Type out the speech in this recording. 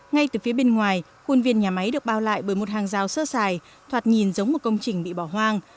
ngay từ phía bên ngoài khuôn viên nhà máy được bao lại bởi một hàng rào sơ xài thoạt nhìn giống một công trình bị bỏ hoang